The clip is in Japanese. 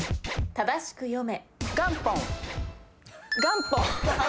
正しく読め。